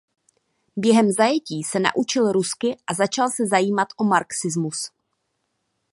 Během zajetí se naučil rusky a začal se zajímat o marxismus.